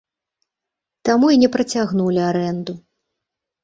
Таму і не працягнулі арэнду.